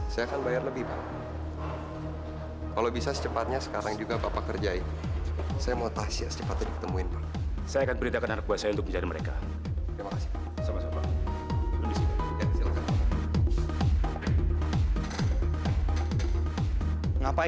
sampai jumpa di video selanjutnya